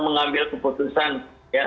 mengambil keputusan ya